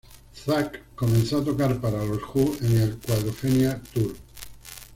Zak comenzó a tocar para los Who en el Quadrophenia Tour.